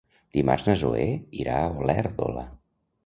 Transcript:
Dimarts na Zoè irà a Olèrdola.